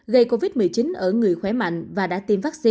gây covid một mươi chín ở người khỏe mạnh và đã tiêm vaccine